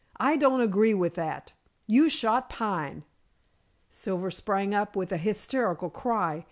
"I don't agree with that. You shot Pine!" Silver sprang up with a hysterical cry.